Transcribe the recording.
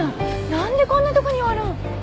何でこんなとこにおるん？